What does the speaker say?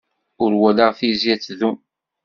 Ur walaɣ tizi ad tdum.